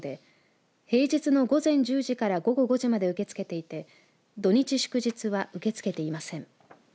平日の午前１０時から午後１０時まで受け付けていて土日、祝日は受け付けていません。